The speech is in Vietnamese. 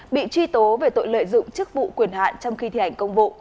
bị truy tố về tội lợi dụng chức vụ quyền hạn trong khi thi hành công vụ